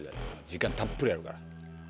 時間たっぷりあるから。